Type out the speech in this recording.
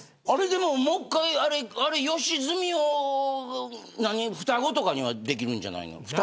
もう１回、良純を双子とかにはできるんじゃないの。